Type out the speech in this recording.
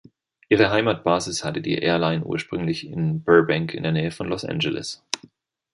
Ihre Heimatbasis hatte die Airline ursprünglich in Burbank in der Nähe von Los Angeles.